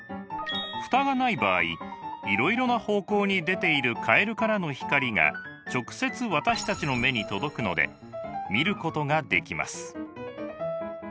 フタがない場合いろいろな方向に出ているカエルからの光が直接私たちの目に届くので見ることができます。